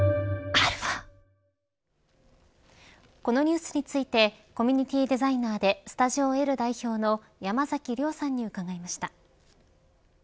このニュースについてコミュニティーデザイナーでｓｔｕｄｉｏ−Ｌ代表の山崎亮さんに伺いました。